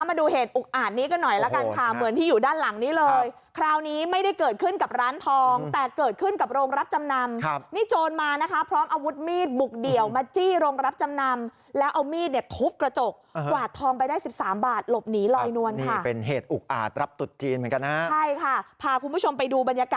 มาดูเหตุอุกอาจนี้กันหน่อยละกันค่ะเหมือนที่อยู่ด้านหลังนี้เลยคราวนี้ไม่ได้เกิดขึ้นกับร้านทองแต่เกิดขึ้นกับโรงรับจำนำครับนี่โจรมานะคะพร้อมอาวุธมีดบุกเดี่ยวมาจี้โรงรับจำนำแล้วเอามีดเนี่ยทุบกระจกกวาดทองไปได้สิบสามบาทหลบหนีลอยนวลค่ะเป็นเหตุอุกอาจรับตุ๊จีนเหมือนกันนะฮะใช่ค่ะพาคุณผู้ชมไปดูบรรยากาศ